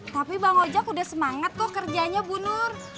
tapi bang ojek udah semangat kok kerjanya bu nur